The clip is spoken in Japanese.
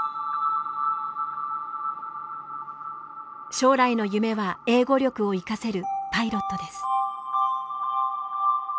将来の夢は英語力を生かせるパイロットです。